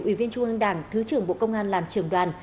ủy viên trung ương đảng thứ trưởng bộ công an làm trưởng đoàn